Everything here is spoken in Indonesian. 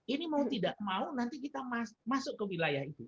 ini mau tidak mau nanti kita masuk ke wilayah itu